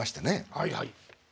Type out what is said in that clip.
はいはい。